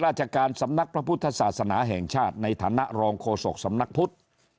ราชการสำนักพระพุทธศาสนาแห่งชาติในฐานะรองโฆษกสำนักพุทธ